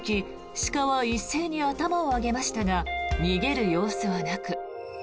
鹿は一斉に頭を上げましたが逃げる様子はなく。